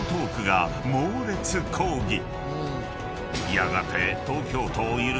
［やがて］